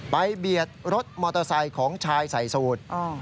เบียดรถมอเตอร์ไซค์ของชายใส่สูตร